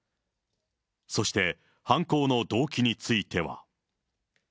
そして犯行の動機については。